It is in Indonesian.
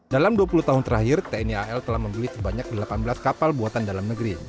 dalam dua puluh tahun terakhir tni al telah membeli sebanyak delapan belas kapal buatan dalam negeri